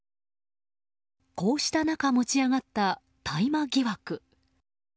こうした中、持ち上がった大麻疑惑。